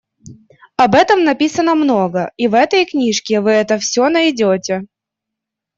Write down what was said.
Об этом написано много, и в этой книжке вы это всё найдёте.